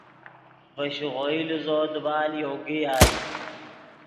ڤے شیغوئی لیزو دیبال یوگے یائے